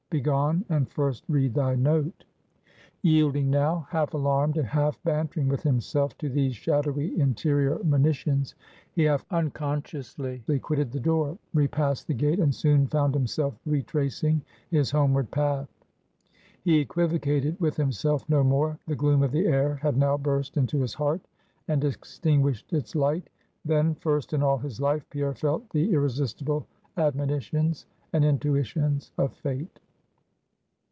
Begone, and first read thy note." Yielding now, half alarmed, and half bantering with himself, to these shadowy interior monitions, he half unconsciously quitted the door; repassed the gate; and soon found himself retracing his homeward path. He equivocated with himself no more; the gloom of the air had now burst into his heart, and extinguished its light; then, first in all his life, Pierre felt the irresistible admonitions and intuitions of Fate.